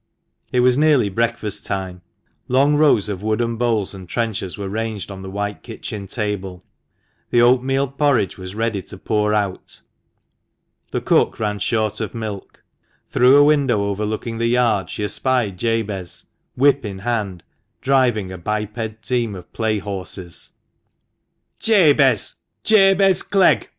It was nearly breakfast time. Long rows of wooden bowls and trenchers were ranged on the white kitchen table. The oatmeal porridge was ready to pour out. The cook ran short of milk. Through a window overlooking the yard she espied Jabez, whip in hand, driving a biped team of play horses. "Jabez, Jabez Clegg!"